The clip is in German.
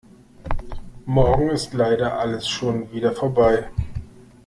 Morgen ist leider alles schon wieder vorbei.